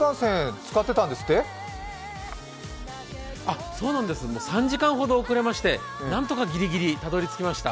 そうなんです３時間ほど遅れましてなんとかギリギリたどり着きました。